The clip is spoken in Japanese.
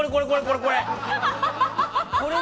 これこれ！